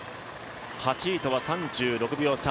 ８位とは３６秒差